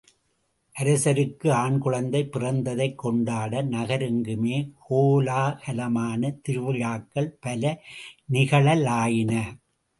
அரசருக்கு ஆண் குழந்தை பிறந்ததைக் கொண்டாட நகரெங்குமே கோலாகலமான திருவிழாக்கள் பல நிகழலாயின.